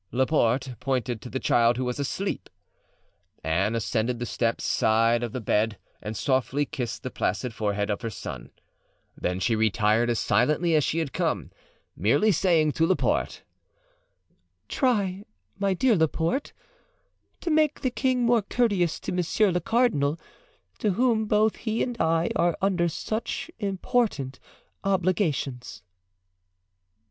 Laporte pointed to the child, who was asleep. Anne ascended the steps side of the bed and softly kissed the placid forehead of her son; then she retired as silently as she had come, merely saying to Laporte: "Try, my dear Laporte, to make the king more courteous to Monsieur le Cardinal, to whom both he and I are under such important obligations."